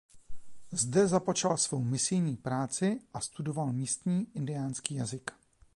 Zde započal svou misijní práci a studoval místní indiánský jazyk.